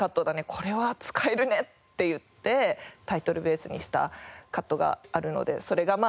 これは使えるね！」って言ってタイトルベースにしたカットがあるのでそれがまあ。